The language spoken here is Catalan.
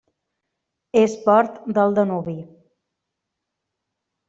És port del Danubi.